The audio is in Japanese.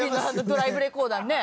ドライブレコーダーにね。